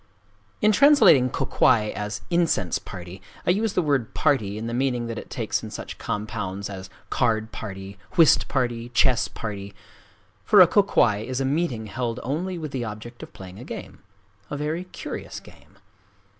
In translating kō kwai as "incense party," I use the word "party" in the meaning that it takes in such compounds as "card party," "whist party," "chess party";—for a kō kwai is a meeting held only with the object of playing a game,—a very curious game.